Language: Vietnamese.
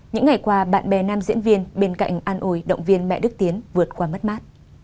những ngày qua bạn bè nam diễn viên bên cạnh an ồi động viên mẹ đức tiến vượt qua mất mát